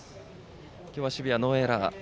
今日は守備はノーエラー。